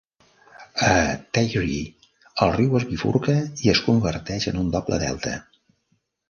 A Taree, el riu es bifurca i es converteix en un doble delta.